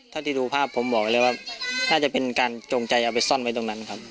ที่ดูภาพผมบอกไว้เลยว่าน่าจะเป็นการจงใจเอาไปซ่อนไว้ตรงนั้นครับ